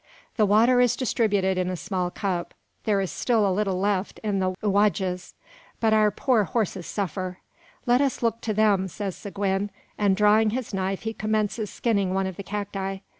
The water is distributed in a small cup. There is still a little left in the xuages; but our poor horses suffer. "Let us look to them," says Seguin; and, drawing his knife, he commences skinning one of the cacti.